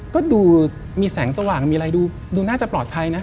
ก็ดูมีแสงสว่างมีอะไรดูน่าจะปลอดภัยนะ